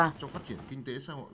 cho phát triển kinh tế xã hội